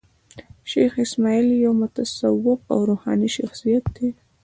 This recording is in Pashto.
شېخ اسماعیل یو متصوف او روحاني شخصیت دﺉ.